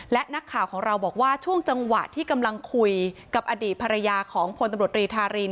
และนักข่าวของเราบอกว่าช่วงจังหวะที่กำลังคุยกับอดีตภรรยาของพลตำรวจรีธาริน